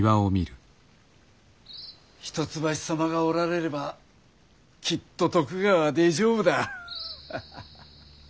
一橋様がおられればきっと徳川は大丈夫だ。